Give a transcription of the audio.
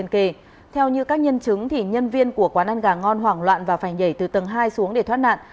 theo như các nhân chứng thì nhân viên của quán ăn gà ngon hoảng loạn và phải nhảy từ tầng hai xuống để thoát nạn